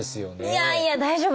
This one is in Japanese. いやいや大丈夫です！